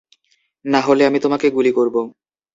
নাহলে আমি তোমাকে গুলি করব।